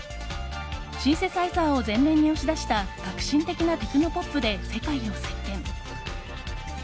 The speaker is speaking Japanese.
シンセサイザーを前面に押し出した革新的なテクノポップで世界を席巻。